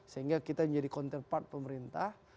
sehingga kita menjadi counterpart pemerintah